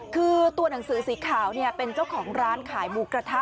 คือตัวหนังสือสีขาวเป็นเจ้าของร้านขายหมูกระทะ